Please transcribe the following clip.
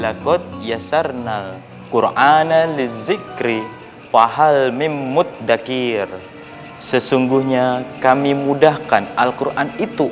saya yakin kamu pasti bisa menghafalkan ayat kursi